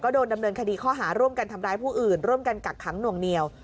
โดนดำเนินคดีข้อหาร่วมกันทำร้ายผู้อื่นร่วมกันกักขังหน่วงเหนียว